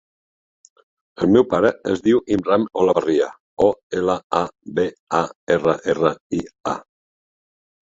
El meu pare es diu Imran Olabarria: o, ela, a, be, a, erra, erra, i, a.